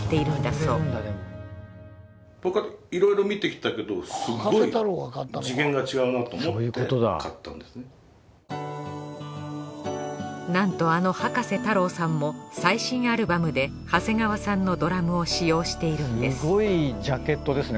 そうなんとあの葉加瀬太郎さんも最新アルバムで長谷川さんのドラムを使用しているんですすごいジャケットですね